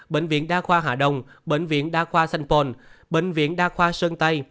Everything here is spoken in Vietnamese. bệnh viện đa khoa hà đông bệnh viện đa khoa sanpon bệnh viện đa khoa sơn tây